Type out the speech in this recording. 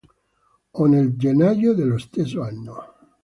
O. nel gennaio dello stesso anno.